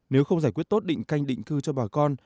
nếu không giải quyết tốt định canh định cư cho bà con